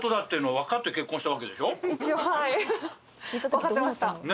分かってました。